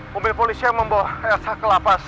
mobil polis yang membawa elsa ke lapas